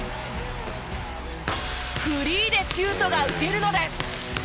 フリーでシュートが打てるのです。